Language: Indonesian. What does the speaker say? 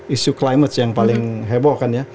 isu climate yang paling heboh kan ya